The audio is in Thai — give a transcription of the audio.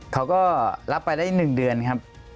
เขาก็รับไปได้๑เดือนครับ